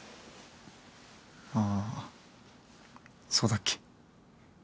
ああそうだっけ。